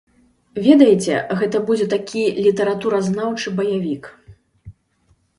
Ведаеце, гэта будзе такі літаратуразнаўчы баявік.